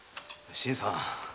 新さん。